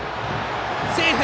セーフ！